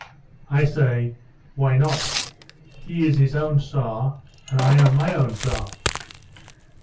I say, 'Why not? He is his own Tsar, and I am my own Tsar.